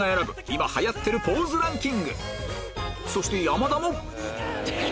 今はやってるポーズランキングそして山田も！